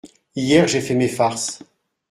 Hier ; j’ai fait mes farces…